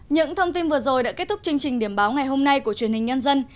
những thông tin vừa rồi đã kết thúc chương trình điểm báo ngày hôm nay của truyền hình nhân dân